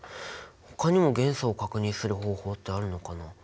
ほかにも元素を確認する方法ってあるのかな。